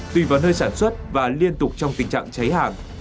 tùy vào nơi sản xuất và liên tục trong tình trạng cháy hàng